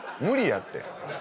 無理やって。